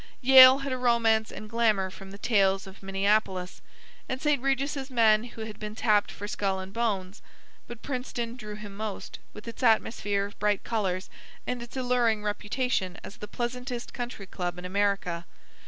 Yale had a romance and glamour from the tales of Minneapolis, and St. Regis' men who had been "tapped for Skull and Bones," but Princeton drew him most, with its atmosphere of bright colors and its alluring reputation as the pleasantest country club in America.